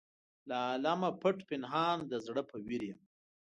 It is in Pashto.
له عالمه پټ پنهان د زړه په ویر یم.